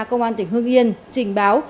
công an tỉnh hương yên trình báo